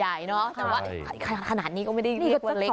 แต่ว่าขนาดนี้ก็ไม่ได้เรียกว่าเล็ก